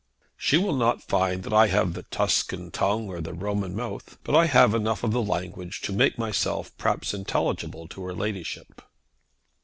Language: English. "She will not find that I have the Tuscan tongue or the Roman mouth, but I have enough of the language to make myself perhaps intelligible to her ladyship."